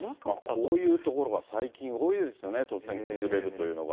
こういうところが最近、多いですね、突然崩れるというのが。